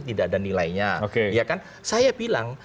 tidak ada nilainya saya bilang